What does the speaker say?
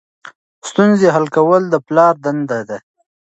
ستونزې حل کول د پلار دنده ده.